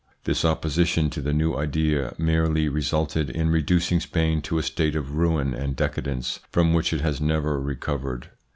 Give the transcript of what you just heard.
This opposition to the new idea merely resulted in reducing Spain to a state of ruin and decadence from which it has never recovered.